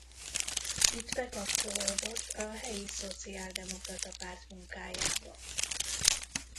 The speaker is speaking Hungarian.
Itt bekapcsolódott a helyi szociáldemokrata párt munkájába.